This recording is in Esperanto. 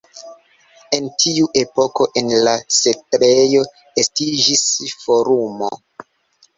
En tiu epoko en la setlejo estiĝis forumo.